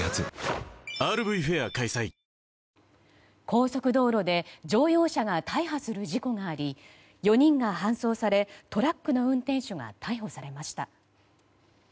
高速道路で乗用車が大破する事故があり４人が搬送され、トラックの運転手が逮捕されました。